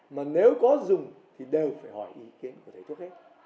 mà nếu có dùng thì đều phải hỏi ý kiến của thầy thuốc hết